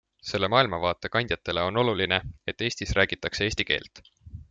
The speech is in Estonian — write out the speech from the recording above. Selle maailmavaate kandjatele on oluline, et Eestis räägitakse eesti keelt.